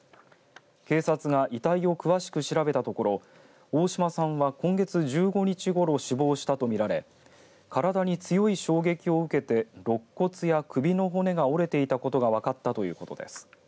警察が遺体を詳しく調べたところ大島さんは今月１５日ごろ死亡したと見られ体に強い衝撃を受けてろっ骨や首の骨が折れていたことが分かったということです。